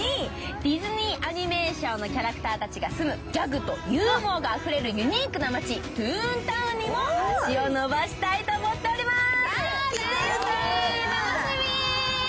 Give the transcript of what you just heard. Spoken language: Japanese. ディズニーアニメーションのキャラクターたちが住む、ギャグとユーモアがあふれるユニークな街、トゥーンタウンにも足をのばしたいと思っております。